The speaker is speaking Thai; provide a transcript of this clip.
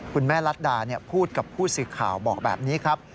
คุณแม่รัฐดาพูดกับผู้สื่อข่าวบอกแบบนี้ครับ